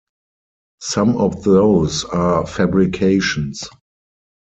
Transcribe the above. Some of those are fabrications.